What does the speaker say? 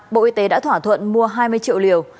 bộ y tế đã thỏa thuận mua hai mươi triệu liều